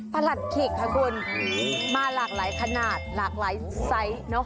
หลัดขิกค่ะคุณมาหลากหลายขนาดหลากหลายไซส์เนอะ